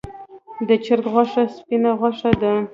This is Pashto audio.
د چرګ غوښه سپینه غوښه ده